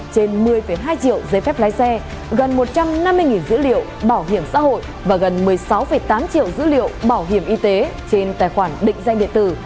trên một mươi hai triệu giấy phép lái xe gần một trăm năm mươi dữ liệu bảo hiểm xã hội và gần một mươi sáu tám triệu dữ liệu bảo hiểm y tế trên tài khoản định danh điện tử